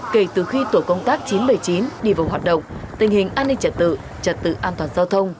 kể từ khi tổ công tác chín trăm bảy mươi chín đi vào hoạt động tình hình an ninh trật tự trật tự an toàn giao thông